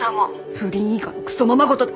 不倫以下のクソままごとだ！